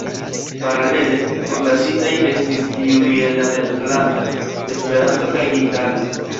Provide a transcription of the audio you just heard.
Paralele, forlasitaj estis tiuj en la nederlanda, Esperanto kaj itala.